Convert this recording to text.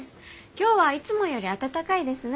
今日はいつもより暖かいですね。